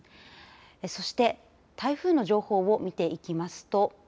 そして台風の情報を見ていきますと。